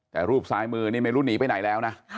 แต่รูปซ้ายมือนี่ไม่รู้หนีไปไหนแล้วนะ